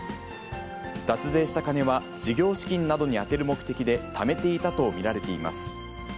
脱税した金は事業資金などに充てる目的でためていたと見られています。